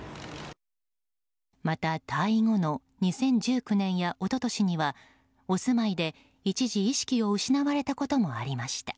また、退位後の２０１９年や一昨年にはお住まいで一時意識を失われたこともありました。